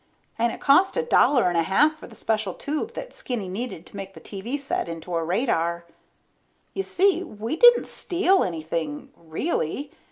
And it cost a dollar and a half for the special tube that Skinny needed to make the TV set into a radar. You see, we didn't steal anything, really.